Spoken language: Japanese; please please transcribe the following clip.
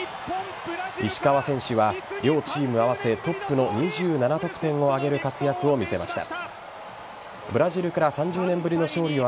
石川選手は両チーム合わせてトップの２７得点を挙げる活躍を見せました。